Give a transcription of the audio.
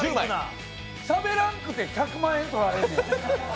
しゃべらんくて、１００万円とられんねや。